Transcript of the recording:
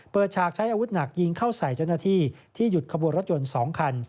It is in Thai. ฉากใช้อาวุธหนักยิงเข้าใส่เจ้าหน้าที่ที่หยุดขบวนรถยนต์๒คัน